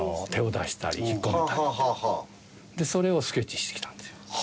それをスケッチしてきたんですよ。